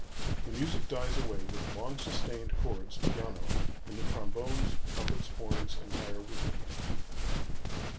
The music dies away with long sustained chords, piano, in the trombones, trumpets, horns, and higher wood wind.